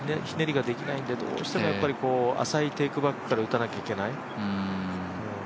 ひねりができないのでどうしても浅いテークバックから打たなきゃいけない。